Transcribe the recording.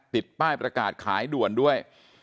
ติดป้ายประกาศขายด่วนด้วย